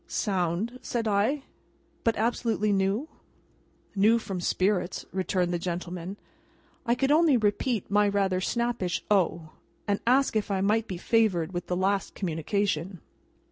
'" "Sound," said I; "but, absolutely new?" "New from spirits," returned the gentleman. I could only repeat my rather snappish "O!" and ask if I might be favoured with the last communication.